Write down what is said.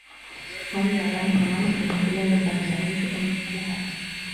توم يعلم تماما أنه لا ينبغي عليه أن يفعل هذا.